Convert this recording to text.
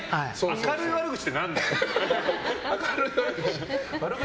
明るい悪口って何だよ！